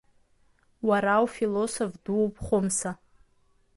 Уара уфилософ дууп, Хәымса.